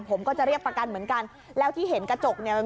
ผมก็จะเรียกประกันเหมือนกันแล้วที่เห็นกระจกเนี่ย